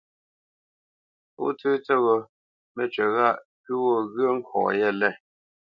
Pó tsə̂ tsə́ghō, mə́cywǐ ghâʼ pǔ gho ŋgyə̌ nkɔ̌ yêlê.